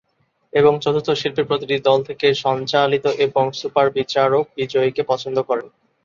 এবং চতুর্থ শিল্পী প্রতিটি দল থেকে সঞ্চালিত এবং সুপার বিচারক বিজয়ীকে পছন্দ করেন।